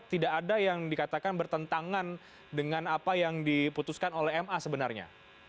tidak ada yang dikatakan bertentangan dengan apa yang diputuskan oleh ma sebenarnya